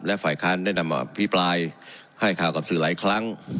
และฝ่ายค้านได้นำอภิปรายให้ข่าวกับสื่อหลายครั้ง